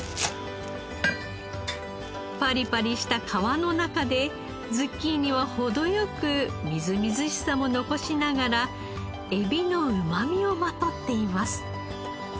パリパリした皮の中でズッキーニは程良くみずみずしさも残しながらエビのうまみをまとっています。